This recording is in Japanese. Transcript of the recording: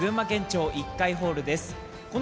こちら群馬県庁１階ホールです。